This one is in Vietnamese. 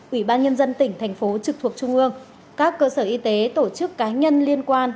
ủy ban nhân dân tỉnh thành phố trực thuộc trung ương các cơ sở y tế tổ chức cá nhân liên quan